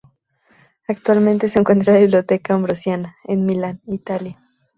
Actualmente se encuentra en la Biblioteca Ambrosiana, en Milán, Italia.